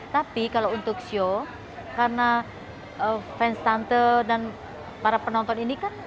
tapi kalau untuk show karena fans tante dan para penonton ini kan